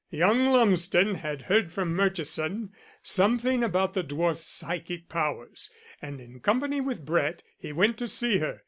Young Lumsden had heard from Murchison something about the dwarf's psychic powers, and in company with Brett he went to see her.